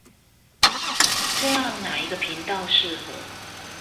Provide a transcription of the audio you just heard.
這樣哪一個頻道適合